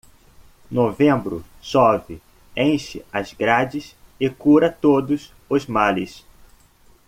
Novembro chove, enche as grades e cura todos os males.